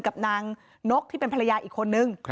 กับนางนกที่เป็นภรรยาอีกคนนึง